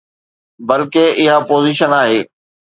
بلڪه، اها اپوزيشن آهي.